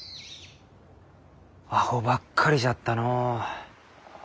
アホばっかりじゃったのう。